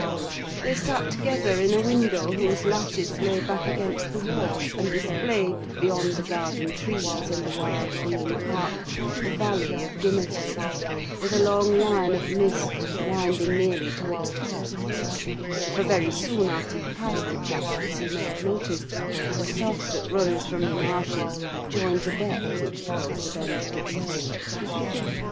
They sat together in a window whose lattice lay back against the wall, and displayed, beyond the garden trees, and the wild green park, the valley of Gimmerton, with a long line of mist winding nearly to its top (for very soon after you pass the chapel, as you may have noticed, the sough that runs from the marshes joins a beck which follows the bend of the glen).